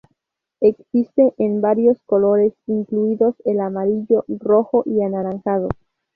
Existe en varios colores incluidos el amarillo, rojo y anaranjado.